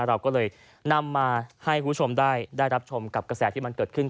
เราก็เลยนำมาให้คุณผู้ชมได้รับชมกับกระแสที่มันเกิดขึ้น